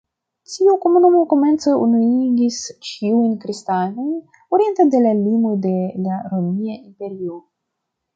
Tiu komunumo komence unuigis ĉiujn kristanojn oriente de la limoj de la Romia Imperio.